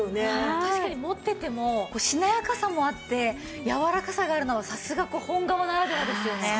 確かに持っててもしなやかさもあってやわらかさがあるのはさすが本革ならではですよね。